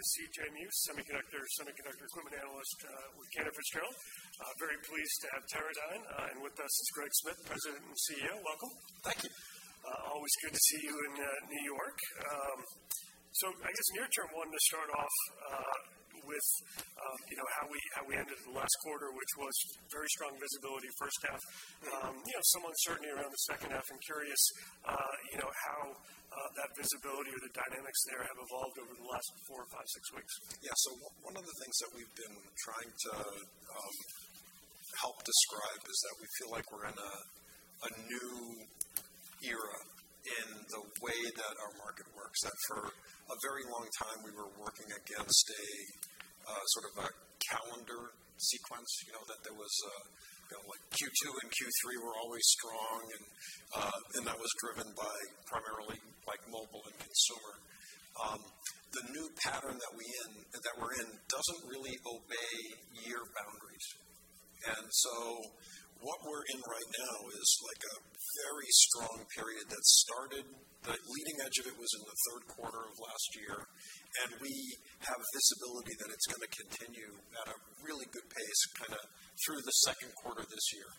My name is CJ Muse, semiconductor equipment analyst, with Cantor Fitzgerald. Very pleased to have Teradyne, and with us is Greg Smith, President and CEO. Welcome. Thank you. Always good to see you in New York. I guess near term, wanted to start off with, you know, how we ended the last quarter, which was very strong visibility first half. You know, some uncertainty around the second half. I'm curious, you know, how that visibility or the dynamics there have evolved over the last 4 or 5, 6 weeks. Yeah. One of the things that we've been trying to help describe is that we feel like we're in a new era in the way that our market works. That for a very long time we were working against a sort of a calendar sequence. You know, that there was you know, like Q2 and Q3 were always strong and that was driven by primarily like mobile and consumer. The new pattern that we're in doesn't really obey year boundaries. What we're in right now is like a very strong period that started, the leading edge of it was in the third quarter of last year, and we have visibility that it's going to continue at a really good pace kind of through the second quarter this year.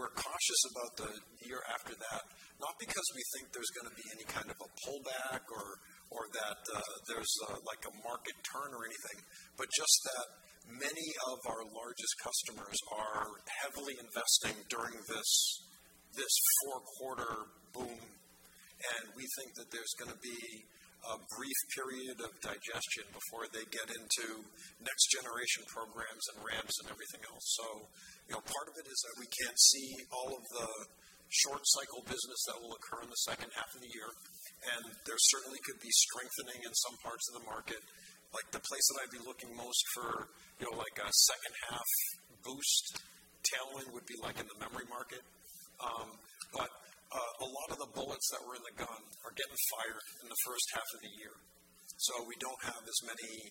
We're cautious about the year after that, not because we think there's going to be any kind of a pullback or that there's like a market turn or anything, but just that many of our largest customers are heavily investing during this four quarter boom, and we think that there's going to be a brief period of digestion before they get into next generation programs and ramps and everything else. You know, part of it is that we can't see all of the short cycle business that will occur in the second half of the year, and there certainly could be strengthening in some parts of the market. Like, the place that I'd be looking most for, you know, like a second half boost tailwind would be like in the memory market. A lot of the bullets that were in the gun are getting fired in the first half of the year, so we don't have as many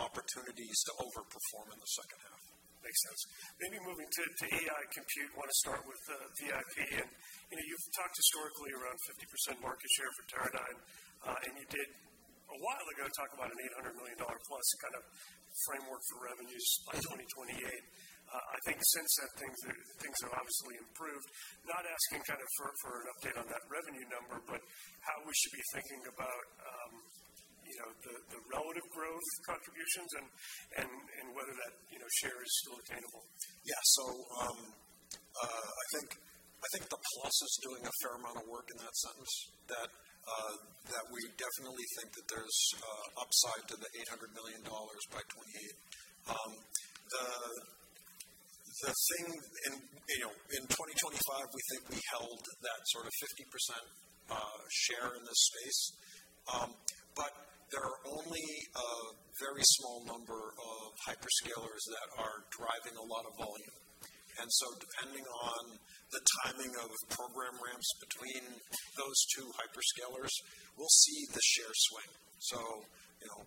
opportunities to overperform in the second half. Makes sense. Maybe moving to AI compute, want to start with VPN. You know, you've talked historically around 50% market share for Teradyne. You did a while ago talk about a $800 million plus kind of framework for revenues by 2028. I think since then, things have obviously improved. Not asking kind of for an update on that revenue number, but how we should be thinking about, you know, the relative growth contributions and whether that, you know, share is still attainable. Yeah. I think the plus is doing a fair amount of work in that sentence that we definitely think that there's upside to the $800 million by 2028. The thing in, you know, in 2025, we think we held that sort of 50% share in this space. There are only a very small number of hyperscalers that are driving a lot of volume. Depending on the timing of program ramps between those two hyperscalers, we'll see the share swing. You know,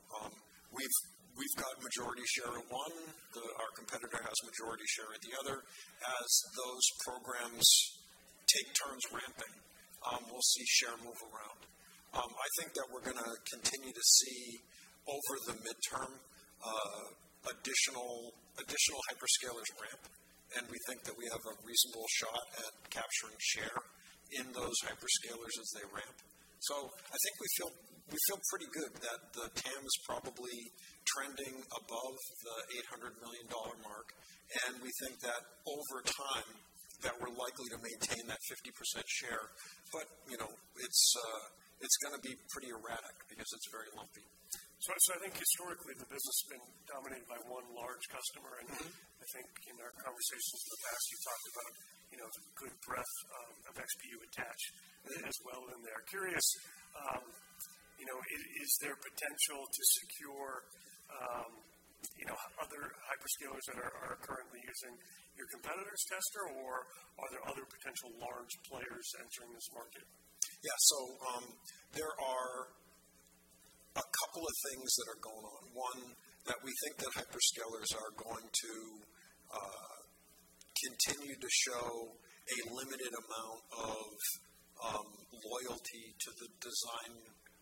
we've got majority share in one, our competitor has majority share in the other. As those programs take turns ramping, we'll see share move around. I think that we're going to continue to see over the midterm, additional hyperscalers ramp, and we think that we have a reasonable shot at capturing share in those hyperscalers as they ramp. I think we feel pretty good that the TAM is probably trending above the $800 million mark, and we think that over time that we're likely to maintain that 50% share. You know, it's going to be pretty erratic because it's very lumpy. I think historically the business has been dominated by one large customer. Mm-hmm. I think in our conversations in the past you've talked about, you know, good breadth of XPU attach- Mm-hmm. As well in there. Curious, you know, is there potential to secure, you know, other hyperscalers that are currently using your competitor's tester or are there other potential large players entering this market? Yeah. There are a couple of things that are going on. One, that we think that hyperscalers are going to continue to show a limited amount of loyalty to the design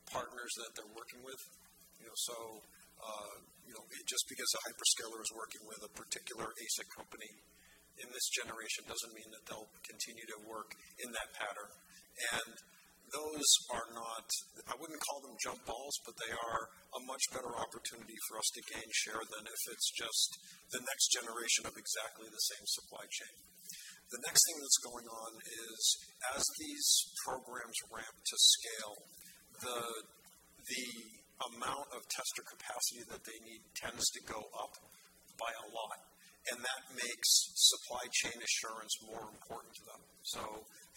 partners that they're working with. You know, so you know, just because a hyperscaler is working with a particular ASIC company in this generation doesn't mean that they'll continue to work in that pattern. Those are not. I wouldn't call them jump balls, but they are a much better opportunity for us to gain share than if it's just the next generation of exactly the same supply chain. The next thing that's going on is as these programs ramp to scale, the amount of tester capacity that they need tends to go up by a lot, and that makes supply chain assurance more important to them.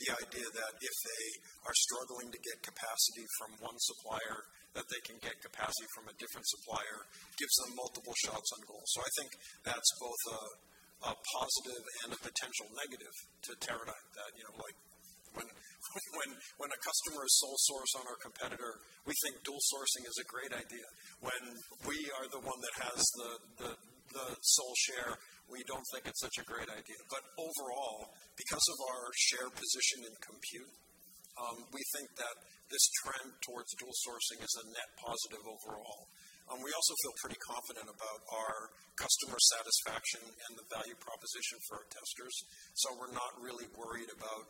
The idea that if they are struggling to get capacity from one supplier, that they can get capacity from a different supplier, gives them multiple shots on goal. I think that's both a positive and a potential negative to Teradyne that, you know, like when a customer is sole source on our competitor, we think dual sourcing is a great idea. As the sole source, we don't think it's such a great idea. Overall, because of our share position in compute, we think that this trend towards dual sourcing is a net positive overall. We also feel pretty confident about our customer satisfaction and the value proposition for our testers, so we're not really worried about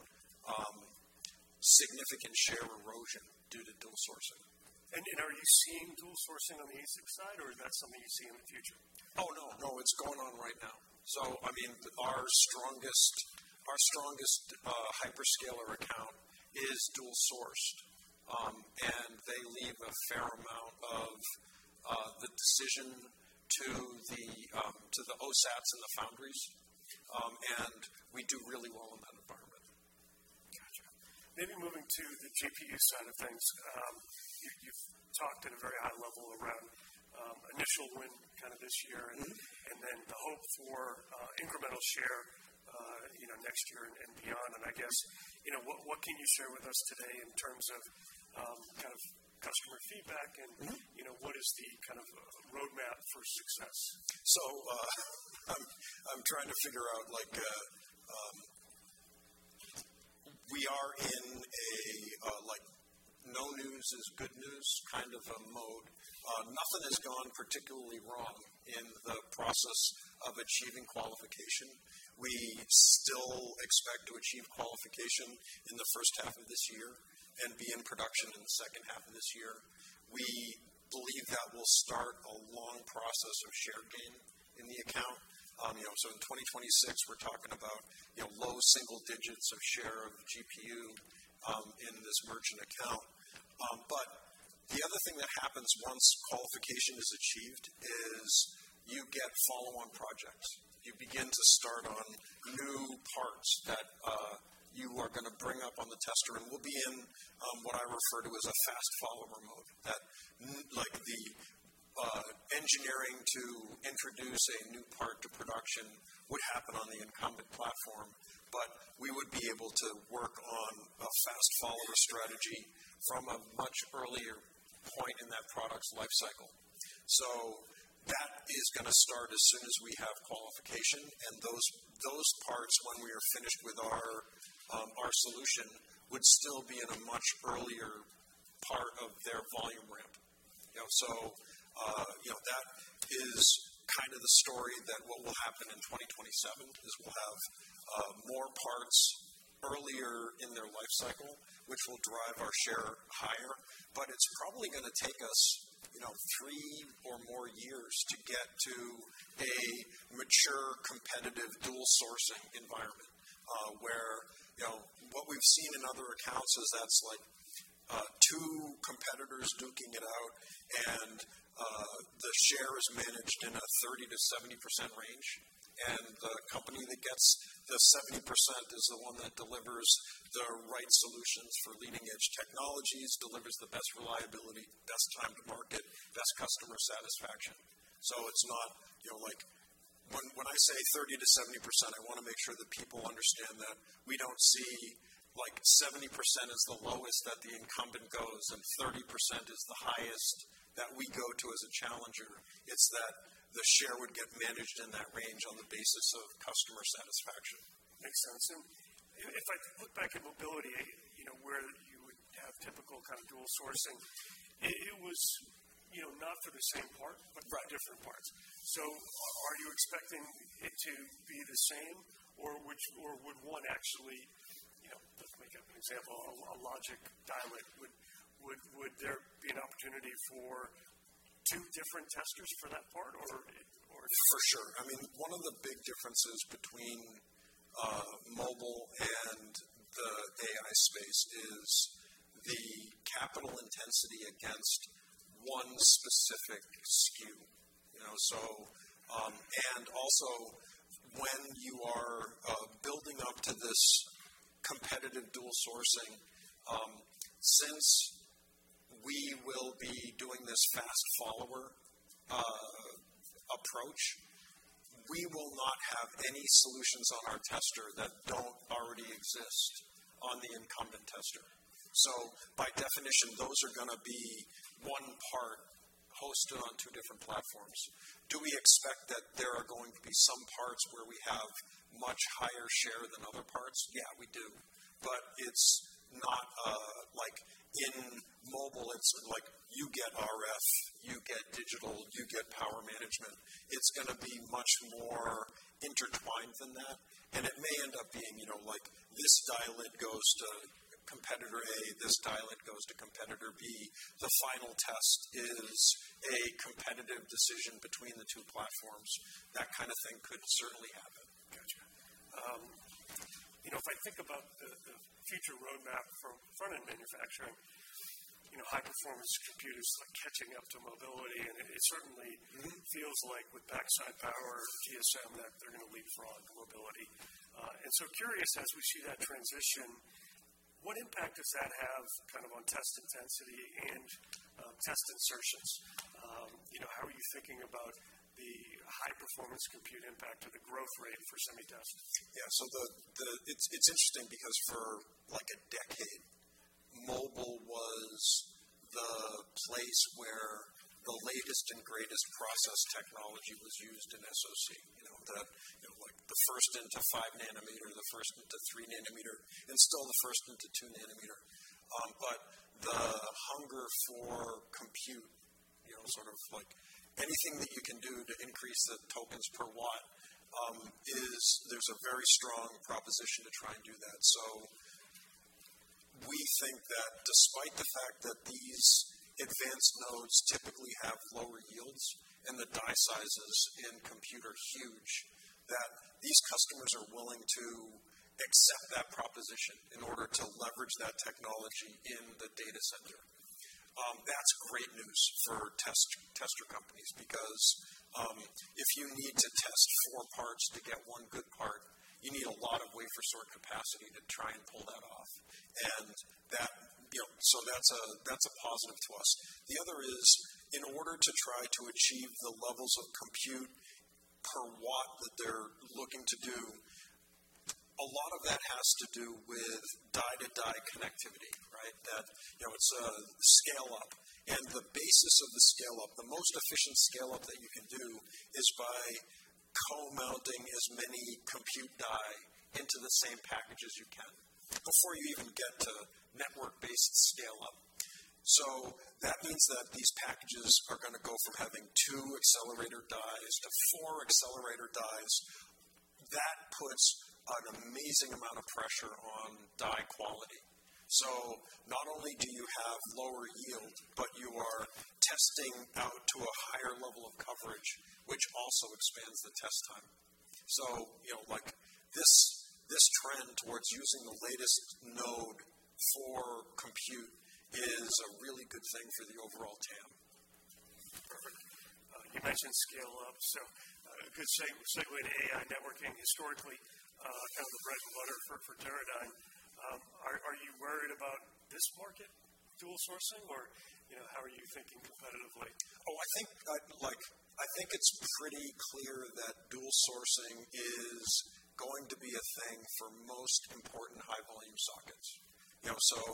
significant share erosion due to dual sourcing. You know, are you seeing dual sourcing on the ASIC side or is that something you see in the future? Oh, no, it's going on right now. I mean, our strongest hyperscaler account is dual sourced. They leave a fair amount of the decision to the OSATs and the foundries, and we do really well in that environment. Gotcha. Maybe moving to the GPU side of things. You've talked at a very high level around initial win kind of this year. Mm-hmm. Then the hope for incremental share, you know, next year and beyond. I guess, you know, what can you share with us today in terms of kind of customer feedback and- Mm-hmm. You know, what is the kind of roadmap for success? I'm trying to figure out like we are in a like no news is good news kind of a mode. Nothing has gone particularly wrong in the process of achieving qualification. We still expect to achieve qualification in the first half of this year and be in production in the second half of this year. We believe that will start a long process of share gain in the account. You know, in 2026 we're talking about, you know, low single digits of share of the GPU in this merchant account. The other thing that happens once qualification is achieved is you get follow-on projects. You begin to start on new parts that you are going to bring up on the tester and we'll be in what I refer to as a fast follower mode. Like the engineering to introduce a new part to production would happen on the incumbent platform, but we would be able to work on a fast follower strategy from a much earlier point in that product's life cycle. That is going to start as soon as we have qualification and those parts when we are finished with our solution would still be in a much earlier part of their volume ramp. You know, you know, that is kind of the story that what will happen in 2027 is we'll have more parts earlier in their life cycle, which will drive our share higher. It's probably going to take us, you know, three or more years to get to a mature, competitive dual sourcing environment, where, you know, what we've seen in other accounts is that's like two competitors duking it out and the share is managed in a 30%-70% range. The company that gets the 70% is the one that delivers the right solutions for leading-edge technologies, delivers the best reliability, best time to market, best customer satisfaction. It's not, you know, like when I say 30%-70%, I want to make sure that people understand that we don't see like 70% as the lowest that the incumbent goes and 30% is the highest that we go to as a challenger. It's that the share would get managed in that range on the basis of customer satisfaction. Makes sense. If I look back at mobility, you know, where you would have typical kind of dual sourcing, it was, you know, not for the same part but for different parts. Are you expecting it to be the same or would one actually, you know, let's make up an example, a logic dielet, would there be an opportunity for two different testers for that part or For sure. I mean, one of the big differences between mobile and the AI space is the capital intensity against one specific SKU, you know. Also when you are building up to this competitive dual sourcing, since we will be doing this fast follower approach, we will not have any solutions on our tester that don't already exist on the incumbent tester. By definition, those are going to be one part hosted on two different platforms. Do we expect that there are going to be some parts where we have much higher share than other parts? Yeah, we do. It's not like in mobile. It's like you get RF, you get digital, you get power management. It's going to be much more intertwined than that. It may end up being, you know, like this dielet goes to competitor A, this dielet goes to competitor B. The final test is a competitive decision between the two platforms. That kind of thing could certainly happen. Gotcha. You know, if I think about the future roadmap from front-end manufacturing, you know, high-performance compute is like catching up to mobility, and it certainly- Mm-hmm. Feels like with backside power delivery that they're gonna leapfrog mobility. Curious as we see that transition, what impact does that have kind of on test intensity and test insertions? You know, how are you thinking about performance compute impact or the growth rate for semi test. Yeah. It's interesting because for like a decade, mobile was the place where the latest and greatest process technology was used in SOC. You know, like the first into 5 nm, the first into 3 nm, and still the first into 2 nm. The hunger for compute, you know, sort of like anything that you can do to increase the tokens per watt, there's a very strong proposition to try and do that. We think that despite the fact that these advanced nodes typically have lower yields and the die size in compute is huge, that these customers are willing to accept that proposition in order to leverage that technology in the data center. That's great news for tester companies because if you need to test four parts to get one good part, you need a lot of wafer sort capacity to try and pull that off. That, you know, so that's a positive to us. The other is, in order to try to achieve the levels of compute per Watt that they're looking to do, a lot of that has to do with die-to-die connectivity, right? That, you know, it's a scale up. The basis of the scale up, the most efficient scale up that you can do is by co-mounting as many compute die into the same package as you can before you even get to network-based scale up. That means that these packages are going to go from having two accelerator dies to four accelerator dies. That puts an amazing amount of pressure on die quality. Not only do you have lower yield, but you are testing out to a higher level of coverage, which also expands the test time. You know, like this trend towards using the latest node for compute is a really good thing for the overall TAM. Perfect. You mentioned scale up. A good segue to AI networking. Historically, kind of the bread and butter for Teradyne. Are you worried about this market dual sourcing or, you know, how are you thinking competitively? I think it's pretty clear that dual sourcing is going to be a thing for most important high volume sockets. You know,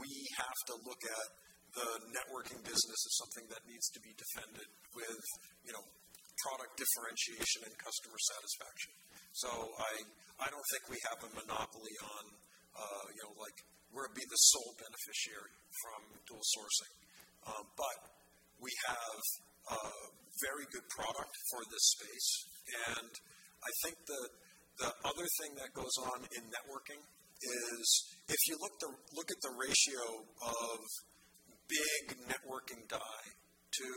we have to look at the networking business as something that needs to be defended with, you know, product differentiation and customer satisfaction. I don't think we have a monopoly on, you know, like we're being the sole beneficiary from dual sourcing. We have a very good product for this space. I think the other thing that goes on in networking is if you look at the ratio of big networking die to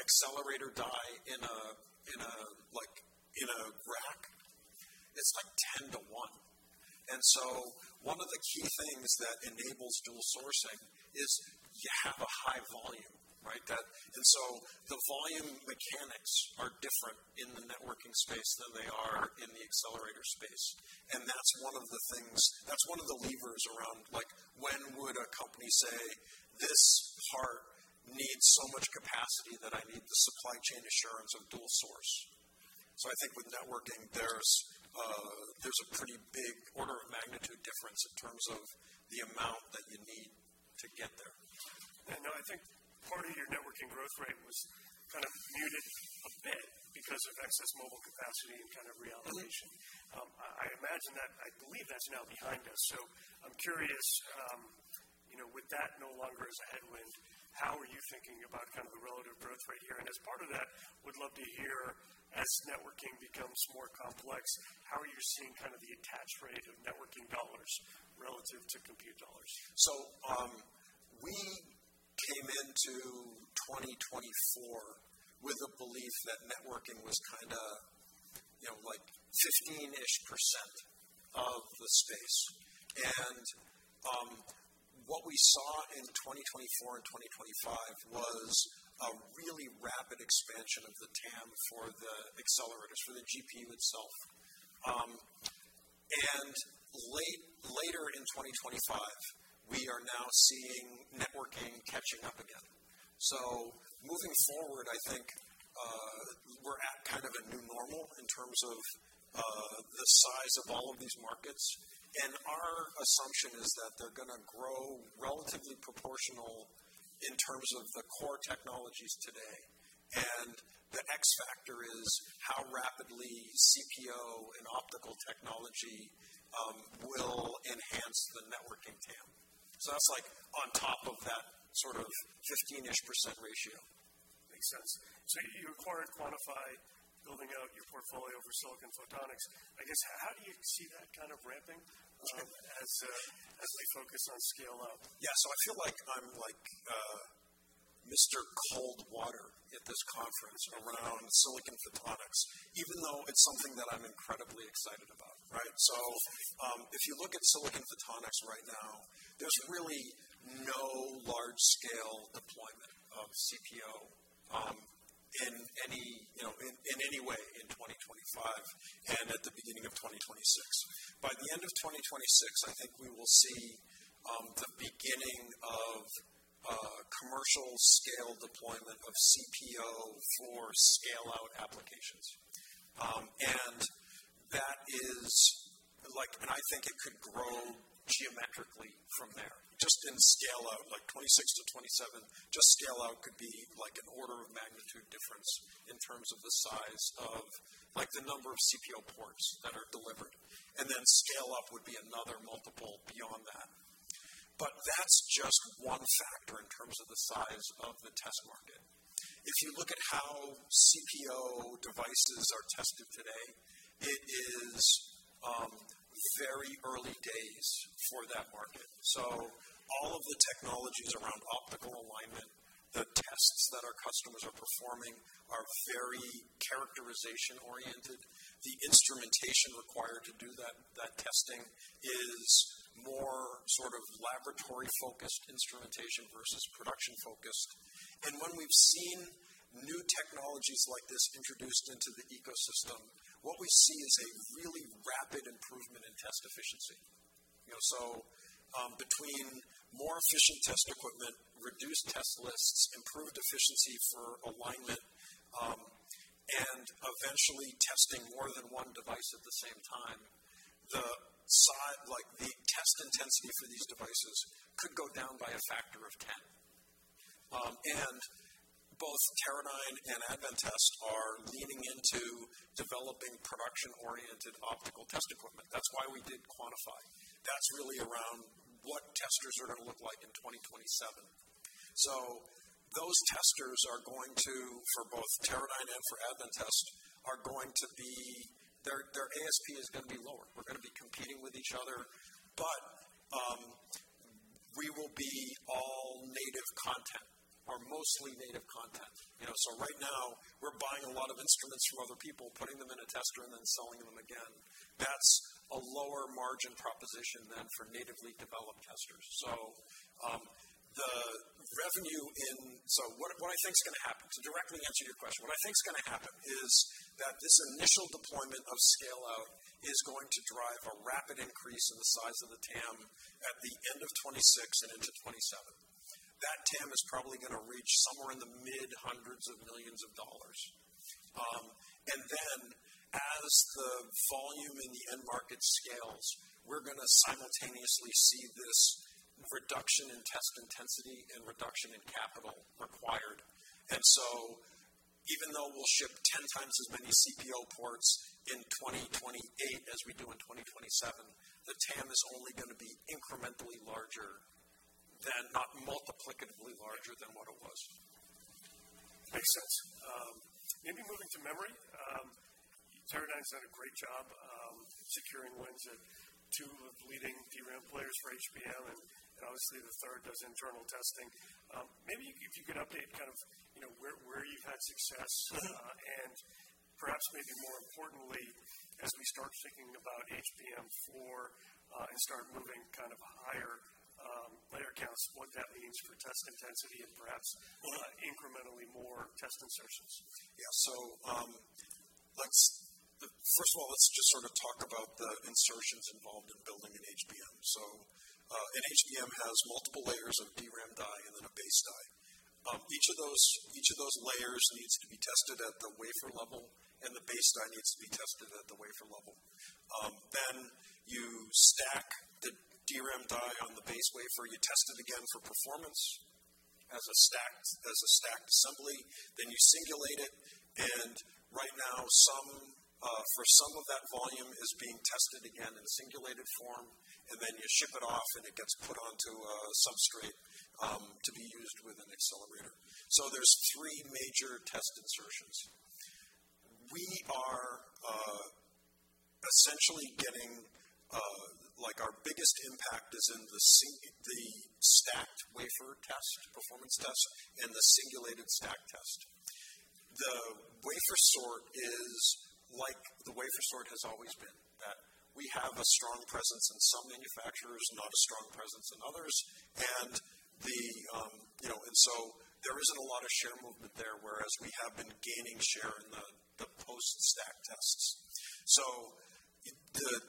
accelerator die in a rack, it's like 10 to 1. One of the key things that enables dual sourcing is you have a high volume, right? The volume mechanics are different in the networking space than they are in the accelerator space. That's one of the things, that's one of the levers around like when would a company say, "This part needs so much capacity that I need the supply chain assurance of dual source." I think with networking there's a pretty big order of magnitude difference in terms of the amount that you need to get there. I think part of your networking growth rate was kind of muted a bit because of excess mobile capacity and kind of reallocation. I imagine that, I believe that's now behind us. I'm curious, you know, with that no longer as a headwind, how are you thinking about kind of the relative growth rate here? As part of that, would love to hear as networking becomes more complex, how are you seeing kind of the attach rate of networking dollars relative to compute dollars? We came into 2024 with a belief that networking was kinda, you know, like 15-ish% of the space. What we saw in 2024 and 2025 was a really rapid expansion of the TAM for the accelerators, for the GPU itself. Later in 2025, we are now seeing networking catching up again. Moving forward, I think, we're at kind of a new normal in terms of the size of all of these markets. Our assumption is that they're gonna grow relatively proportional in terms of the core technologies today. The X factor is how rapidly CPO and optical technology will enhance the networking TAM. That's like on top of that sort of 15-ish% ratio. Makes sense. You acquired Quantifi Photonics, building out your portfolio for silicon photonics. I guess, how do you see that kind of ramping as they focus on scale up? Yeah. I feel like I'm like, Mr. Cold Water at this conference when I'm on silicon photonics, even though it's something that I'm incredibly excited about, right? If you look at silicon photonics right now, there's really no large scale deployment of CPO, in any, you know, in any way in 2025 and at the beginning of 2026. By the end of 2026, I think we will see the beginning of commercial scale deployment of CPO for scale out applications. I think it could grow geometrically from there just in scale out like 2026 to 2027. Just scale out could be like an order of magnitude difference in terms of the size of like the number of CPO ports that are delivered. Then scale up would be another multiple beyond that. That's just one factor in terms of the size of the test market. If you look at how CPO devices are tested today, it is very early days for that market. All of the technologies around optical alignment, the tests that our customers are performing are very characterization-oriented. The instrumentation required to do that testing is more sort of laboratory-focused instrumentation versus production-focused. When we've seen new technologies like this introduced into the ecosystem, what we see is a really rapid improvement in test efficiency. You know, between more efficient test equipment, reduced test lists, improved efficiency for alignment, and eventually testing more than one device at the same time, the test intensity for these devices could go down by a factor of 10. Both Teradyne and Advantest are leaning into developing production-oriented optical test equipment. That's why we did quantify. That's really around what testers are going to look like in 2027. Those testers are going to, for both Teradyne and for Advantest, their ASP is going to be lower. We're going to be competing with each other, but we will be all native content or mostly native content. You know, right now we're buying a lot of instruments from other people, putting them in a tester and then selling them again. That's a lower margin proposition than for natively developed testers. What I think is going to happen, to directly answer your question, what I think is going to happen is that this initial deployment of scale out is going to drive a rapid increase in the size of the TAM at the end of 2026 and into 2027. That TAM is probably going to reach somewhere in the mid hundreds of millions of dollars. As the volume in the end market scales, we're going to simultaneously see this reduction in test intensity and reduction in capital required. Even though we'll ship 10 times as many CPO ports in 2028 as we do in 2027, the TAM is only going to be incrementally larger, not multiplicatively larger than what it was. Makes sense. Maybe moving to memory. Teradyne has done a great job securing wins at two of the leading DRAM players for HBM, and obviously the third does internal testing. Maybe if you could update kind of, you know, where you've had success. Perhaps maybe more importantly, as we start thinking about HBM4 and start moving kind of higher layer counts, what that means for test intensity and perhaps incrementally more test insertions. First of all, let's just sort of talk about the insertions involved in building an HBM. An HBM has multiple layers of DRAM die and then a base die. Each of those layers needs to be tested at the wafer level, and the base die needs to be tested at the wafer level. Then you stack the DRAM die on the base wafer, you test it again for performance as a stacked assembly. Then you singulate it, and right now some of that volume is being tested again in a singulated form, and then you ship it off, and it gets put onto a substrate to be used with an accelerator. There's three major test insertions. We are essentially getting like our biggest impact is in the stacked wafer test, performance test, and the singulated stack test. The wafer sort has always been that we have a strong presence in some manufacturers, not a strong presence in others. You know, there isn't a lot of share movement there, whereas we have been gaining share in the post-stack tests.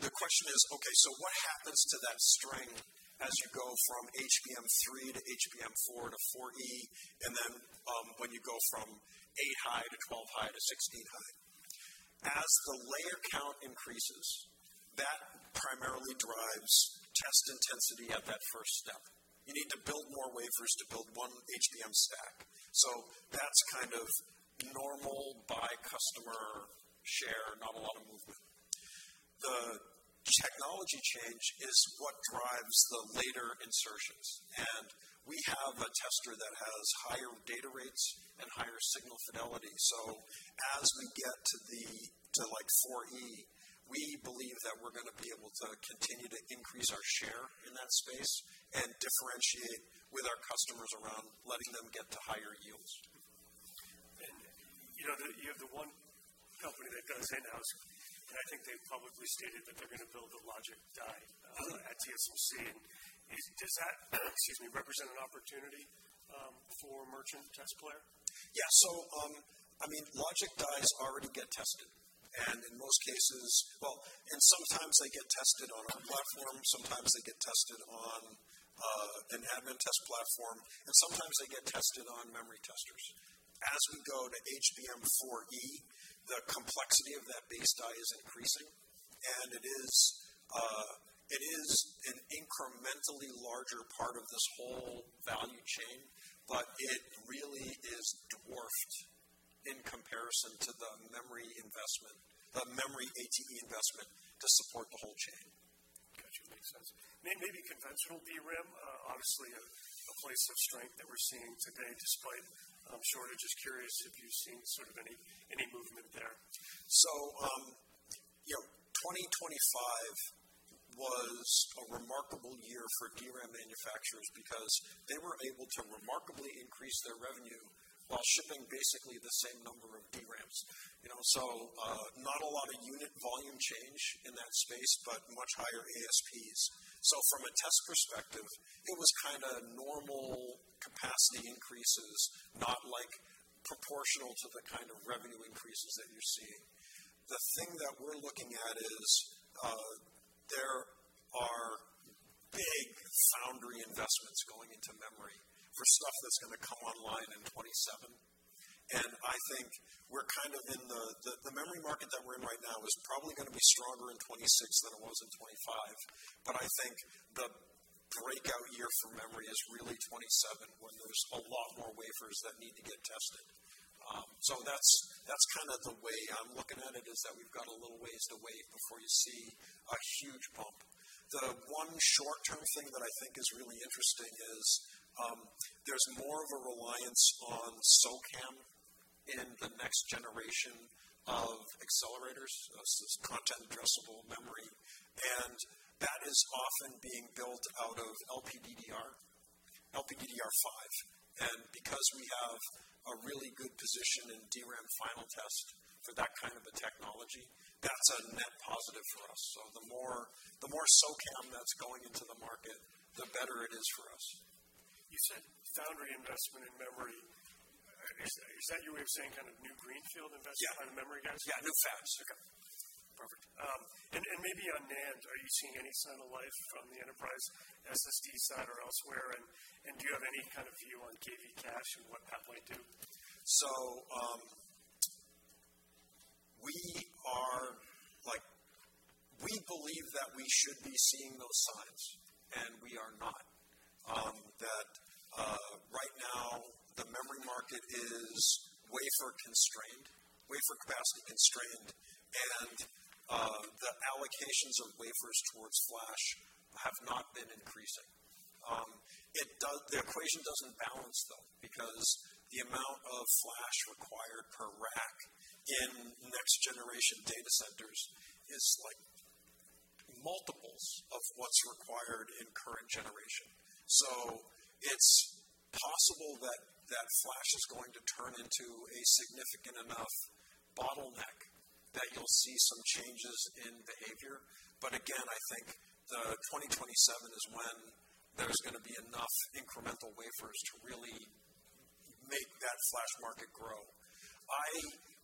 The question is, okay, what happens to that strength as you go from HBM3 to HBM4 to HBM3E, and then, when you go from 8-high to 12-high to 16-high? As the layer count increases, that primarily drives test intensity at that first step. You need to build more wafers to build one HBM stack. That's kind of normal by customer share, not a lot of movement. The technology change is what drives the later insertions. We have a tester that has higher data rates and higher signal fidelity. As we get to like HBM3E, we believe that we're going to be able to continue to increase our share in that space and differentiate with our customers around letting them get to higher yields. You know that you have the one company that does in-house. I think they've publicly stated that they're going to build a logic die at TSMC. Does that, excuse me, represent an opportunity for merchant test player? Yeah. I mean, logic dies already get tested, and in most cases, sometimes they get tested on our platform, sometimes they get tested on an Advantest platform, and sometimes they get tested on memory testers. As we go to HBM4E, the complexity of that base die is increasing, and it is an incrementally larger part of this whole value chain, but it really is dwarfed in comparison to the memory investment, the memory ATE investment to support the whole chain. Got you. Makes sense. Maybe conventional DRAM, obviously a place of strength that we're seeing today despite shortages. Curious if you've seen sort of any movement there? You know, 2025 was a remarkable year for DRAM manufacturers because they were able to remarkably increase their revenue while shipping basically the same number of DRAMs. You know, so not a lot of unit volume change in that space, but much higher ASPs. From a test perspective, it was kind of normal capacity increases, not like proportional to the kind of revenue increases that you're seeing. The thing that we're looking at is there are big foundry investments going into memory for stuff that's gonna come online in 2027. I think we're kind of in the memory market that we're in right now is probably gonna be stronger in 2026 than it was in 2025. I think the breakout year for memory is really 2027 when there's a lot more wafers that need to get tested. That's kind of the way I'm looking at it, is that we've got a little ways to wait before you see a huge bump. The one short-term thing that I think is really interesting is, there's more of a reliance on TCAM in the next generation of accelerators, so it's content addressable memory, and that is often being built out of LPDDR, LPDDR5. Because we have a really good position in DRAM final test for that kind of a technology, that's a net positive for us. The more TCAM that's going into the market, the better it is for us. You said foundry investment in memory. Is that your way of saying kind of new greenfield investment? Yeah. kind of memory guys? Yeah, new fabs. Okay, perfect. Maybe on NAND, are you seeing any sign of life from the enterprise SSD side or elsewhere? Do you have any kind of view on KV cache and what that might do? We believe that we should be seeing those signs, and we are not. That right now the memory market is wafer constrained, wafer capacity constrained, and the allocations of wafers towards flash have not been increasing. The equation doesn't balance though because the amount of flash required per rack in next generation data centers is like multiples of what's required in current generation. It's possible that that flash is going to turn into a significant enough bottleneck that you'll see some changes in behavior. Again, I think the 2027 is when there's gonna be enough incremental wafers to really make that flash market grow.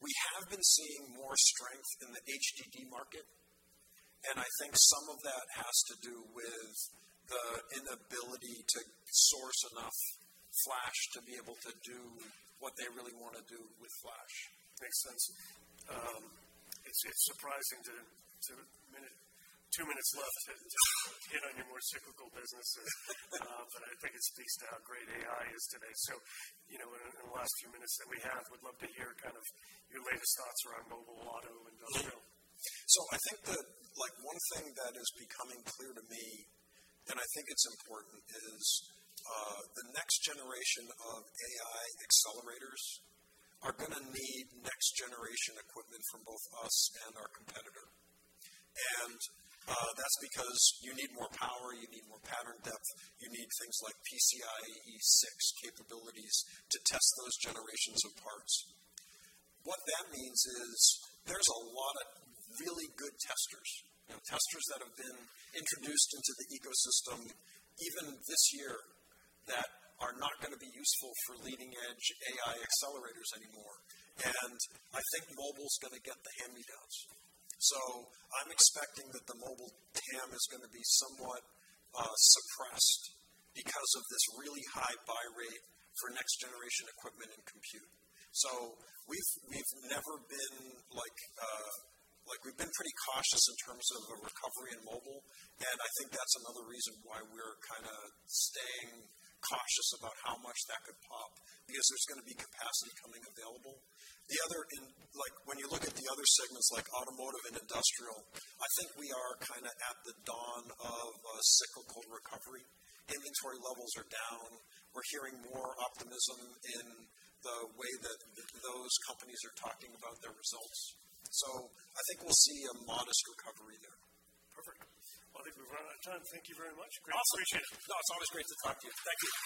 We have been seeing more strength in the HDD market, and I think some of that has to do with the inability to source enough flash to be able to do what they really want to do with flash. Makes sense. It's surprising, two minutes left and hit on your more cyclical businesses. I think it speaks to how great AI is today. You know, in the last few minutes that we have, would love to hear kind of your latest thoughts around mobile, auto, industrial. I think like one thing that is becoming clear to me, and I think it's important, is the next generation of AI accelerators are gonna need next generation equipment from both us and our competitor. That's because you need more power, you need more pattern depth, you need things like PCIe 6.0 capabilities to test those generations of parts. What that means is there's a lot of really good testers, you know, testers that have been introduced into the ecosystem even this year that are not gonna be useful for leading-edge AI accelerators anymore. I think mobile's gonna get the hand-me-downs. I'm expecting that the mobile TAM is gonna be somewhat suppressed because of this really high buy rate for next generation equipment and compute. We've never been like we've been pretty cautious in terms of a recovery in mobile, and I think that's another reason why we're kind of staying cautious about how much that could pop because there's gonna be capacity coming available. Like when you look at the other segments like automotive and industrial, I think we are kind of at the dawn of a cyclical recovery. Inventory levels are down. We're hearing more optimism in the way that those companies are talking about their results. I think we'll see a modest recovery there. Perfect. Well, I think we've run out of time. Thank you very much. Awesome. Appreciate it. No, it's always great to talk to you. Thank you.